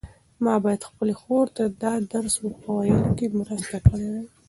ما باید خپلې خور ته د درس په ویلو کې مرسته کړې وای.